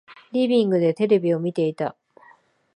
リビングでテレビを見ていた。